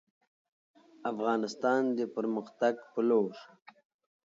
افغانستان د پرمختګ په لور